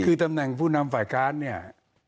คือตำแหน่งผู้นำฝ่ายค้านเนี่ย